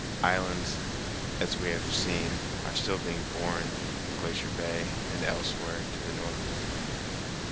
Islands, as we have seen, are still being born in Glacier Bay and elsewhere to the northward.